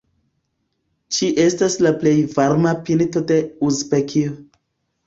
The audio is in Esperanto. Ĝi estas la plej varma pinto de Uzbekio.